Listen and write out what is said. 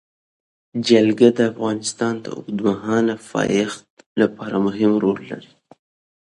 جلګه د افغانستان د اوږدمهاله پایښت لپاره مهم رول لري.